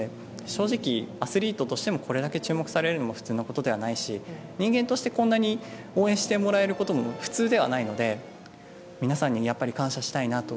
正直、アスリートとしてもこれだけ注目されるのも普通のことではないし人間としてこんなに応援してもらうことも普通ではないので、皆さんに感謝したいなと。